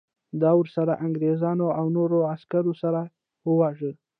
د ورسره انګریزانو او نورو عسکرو سره وواژه.